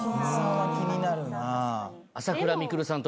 あぁ気になるな。